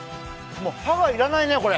もう歯がいらないね、これ！